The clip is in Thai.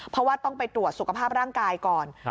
เพราะว่าต้องไปตรวจสุขภาพร่างกายก่อน